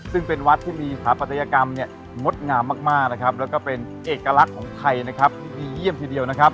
ซึ่งเป็นวัดที่มีภาพประตยกรรมมดงามมากและเป็นเอกลักษณ์ของไทยที่มีเยี่ยมทีเดียว